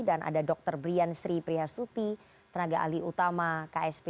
dan ada dr brien sri prihastuti tenaga ahli utama ksp